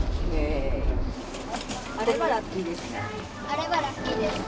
あればラッキーですね。